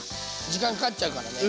時間かかっちゃうからね。